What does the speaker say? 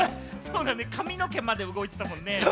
髪の毛まで動いてたもんね。